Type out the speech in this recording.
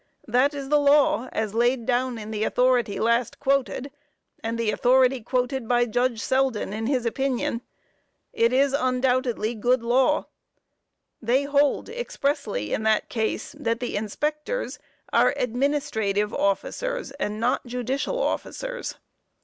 That is the law, as laid down in the authority last quoted, and the authority quoted by Judge Selden in his opinion. It is undoubtedly good law. They hold expressly in that case that the inspectors are administrative officers, and not judicial officers.